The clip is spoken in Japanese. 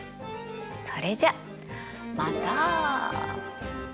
それじゃまた！